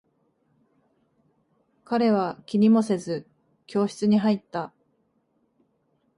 彼は気にもせず、教室に入った。